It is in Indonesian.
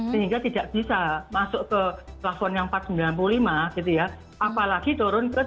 sehingga tidak bisa masuk ke plafon yang empat ratus sembilan puluh lima gitu ya apalagi turun ke tiga puluh